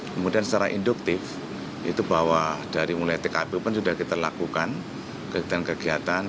kemudian secara induktif itu bahwa dari mulai tkp pun sudah kita lakukan kegiatan kegiatan